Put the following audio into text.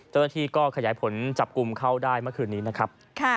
เจ้าหน้าที่ก็ขยายผลจับกลุ่มเข้าได้เมื่อคืนนี้นะครับ